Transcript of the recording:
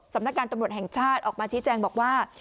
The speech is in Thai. สำนักการตำรวจแห่งชาติออกมาชี้แจงบอกว่า